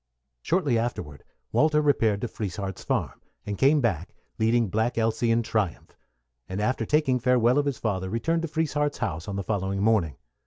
Shortly afterward Walter repaired to Frieshardt's farm, and came back leading Black Elsy in triumph; and after taking farewell of his father, returned to Frieshardt's house on the following morning.